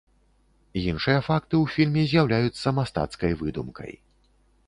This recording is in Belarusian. Іншыя факты ў фільме з'яўляюцца мастацкай выдумкай.